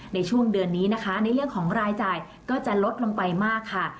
ในช่วงเดือนนี้นะคะในเรื่องของรายจ่ายก็จะลดลงไปมากค่ะ